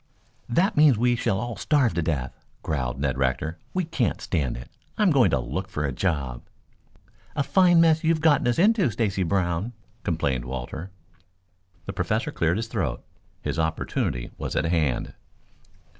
"That means we shall all starve to death," growled Ned Rector. "We can't stand it. I'm going to look for a job." "A fine mess you have gotten us into, Stacy Brown," complained Walter. The Professor cleared his throat. His opportunity was at hand.